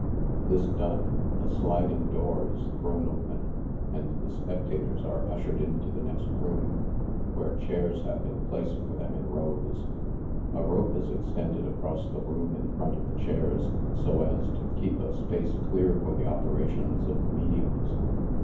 Ihis done, a sliding door is thrown open, and the spectators are ushered into the next room, where chairs have been placed for them in rows. A rope is extended across the room in front of the chairs, so as to keep a space clear for the operations of the mediums.